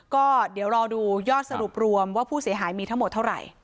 ก็เดี๋ยวรอดูยอดสรุปรวมว่าผู้เสียหายมีทั้งหมดเท่าไหร่